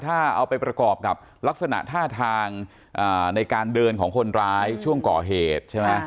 ถ้าเอาไปประกอบกับลักษณะท่าทางในการเดินของคนร้ายช่วงก่อเหตุใช่ไหม